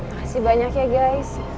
makasih banyak ya guys